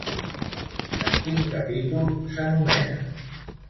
En quin capítol s'anomena?